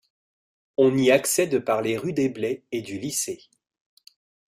On y accède par les rues des Blés et du Lycée.